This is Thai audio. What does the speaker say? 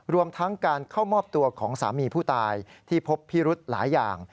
รวมทั้งการเข้ามอบตัวของสามีผู้ตายที่พบพิรุธหลายอย่าง